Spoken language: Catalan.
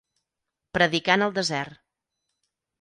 Predicar en el desert.